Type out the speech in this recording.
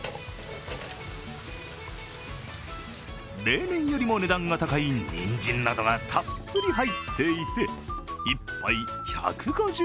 例年よりも値段が高いにんじんなどがたっぷり入っていて１杯１５０円。